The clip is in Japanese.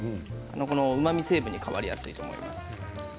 うまみ成分に変わりやすいと思います。